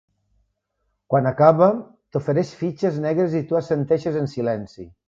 Quan acaba, t'ofereix fitxes negres i tu assenteixes en silenci.